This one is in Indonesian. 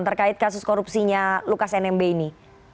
terkait kasus korupsinya lukas nmb ini